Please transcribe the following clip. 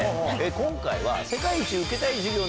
今回は。